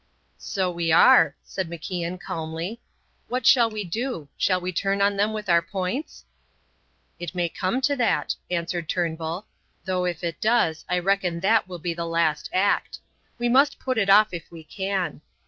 "So we are," said MacIan calmly. "What shall we do? Shall we turn on them with our points?" "It may come to that," answered Turnbull, "though if it does, I reckon that will be the last act. We must put it off if we can."